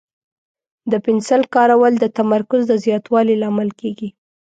د پنسل کارول د تمرکز د زیاتوالي لامل کېږي.